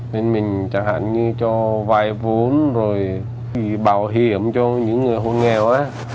nên mình chẳng hạn như cho vài vốn rồi bảo hiểm cho những người hôn nghèo á